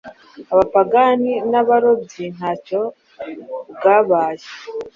abapagani n’abarobyi ntacyo bwabaye.